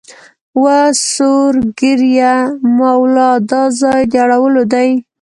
وه سور ږیریه مولا دا ځای د اړولو دی